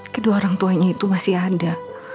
kedua orang tuanya itu masih ada